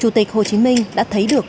chủ tịch hồ chí minh đã thấy được